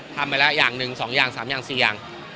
ทำไปแล้วอย่างหนึ่งสองอย่างสองอย่างสี่อย่าง